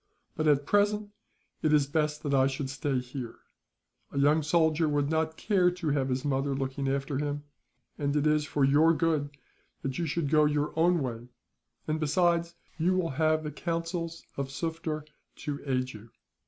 But at present it is best that I should stay here. A young soldier would not care to have his mother looking after him, and it is for your good that you should go your own way; and besides, you will have the counsels of Sufder to aid you.